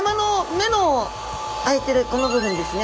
目の部分ですね。